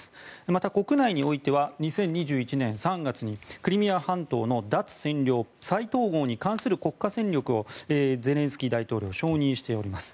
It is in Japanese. また国内においては２０２１年３月にクリミア半島の脱占領・再統合に関する国家戦略をゼレンスキー大統領承認しております。